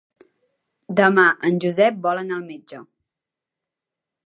Demà en Josep vol anar al metge.